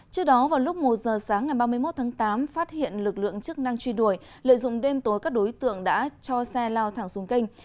trước đó vào lúc một giờ sáng ngày ba mươi một tháng tám phát hiện lực lượng chức năng truy đuổi lợi dụng đêm tối các đối tượng đã cho xe lao thẳng xuống kênh